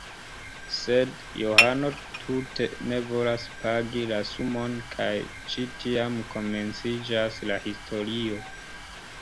Sed Johano tute ne volas pagi la sumon kaj ĉi tiam komenciĝas la historio.